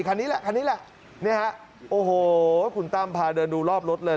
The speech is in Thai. คันนี้แหละคันนี้แหละนี่ฮะโอ้โหคุณตั้มพาเดินดูรอบรถเลย